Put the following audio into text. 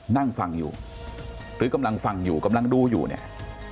นั่งฟังอยู่หรือกำลังฟังอยู่กำลังดูอยู่เนี่ย